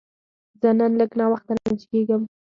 زه نن لږ ناوخته راجیګیږم